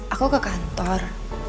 aku ke kantor